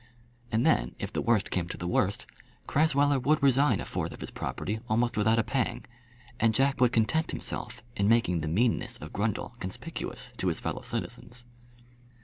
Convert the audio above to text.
And then, if the worst came to the worst, Crasweller would resign a fourth of his property almost without a pang, and Jack would content himself in making the meanness of Grundle conspicuous to his fellow citizens.